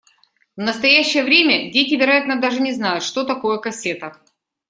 В настоящее время дети, вероятно, даже не знают, что такое кассета.